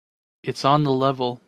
It's on the level.